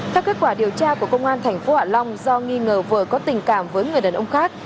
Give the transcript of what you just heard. theo kết quả điều tra của công an thành phố hạ long do nghi ngờ vợ có tình cảm với người đàn ông khác